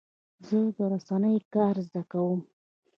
زه د رسنیو کار زده کوم.